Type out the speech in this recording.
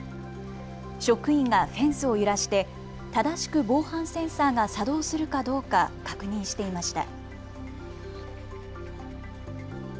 職員がフェンスを揺らして正しく防犯センサーが作動するかどうか確認していました。